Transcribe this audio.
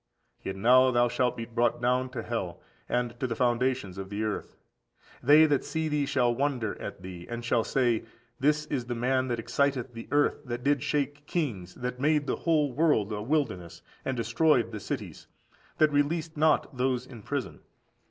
Yet now thou shalt be brought down to hell, and to the foundations of the earth! They that see thee shall wonder at thee, and shall say, This is the man that excited the earth, that did shake kings, that made the whole world a wilderness, and destroyed the cities, that released not those in prison.